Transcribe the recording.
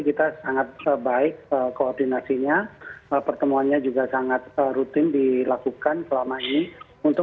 kita sangat baik koordinasinya pertemuannya juga sangat rutin dilakukan selama ini untuk